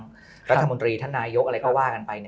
รัฐมนตรีท่านนายกอะไรก็ว่ากันไป